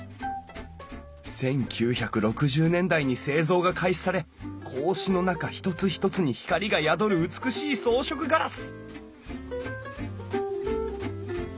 １９６０年代に製造が開始され格子の中ひとつひとつに光が宿る美しい装飾ガラス！